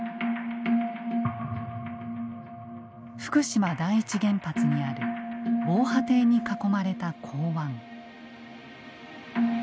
福島第一原発にある防波堤に囲まれた港湾。